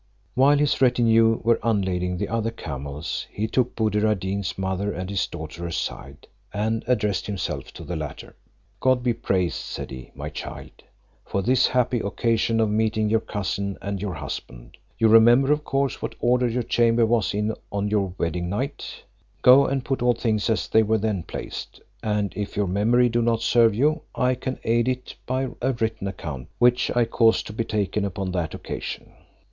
While his retinue were unlading the other camels, he took Buddir ad Deen's mother and his daughter aside; and addressed himself to the latter: "God be praised," said he, "my child, for this happy occasion of meeting your cousin and your husband! You remember, of course, what order your chamber was in on your wedding night: go and put all things as they were then placed; and if your memory do not serve you, I can aid it by a written account, which I caused to be taken upon that occasion."